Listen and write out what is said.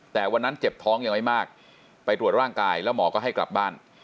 แต่วันนั้นเจ็บท้องยังไม่มากไปตรวจร่างกายแล้วหมอก็ให้กลับบ้าน